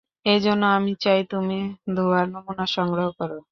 এজন্য আমি চাই তুমি ধোয়ার নমুনা সংগ্রহ কর।